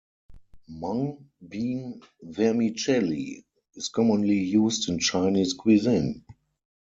Mung bean vermicelli is commonly used in Chinese cuisine.